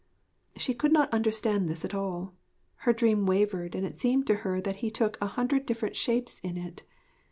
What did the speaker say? She could not understand this at all. Her dream wavered and it seemed to her that he took a hundred different shapes in it.